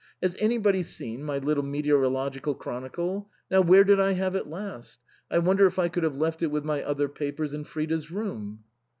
Has anybody seen my little meteorological chronicle? Now, where did I have it last ? I wonder if I could have left it with my other papers in Frida's room?"